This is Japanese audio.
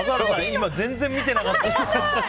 今、全然見てなかった。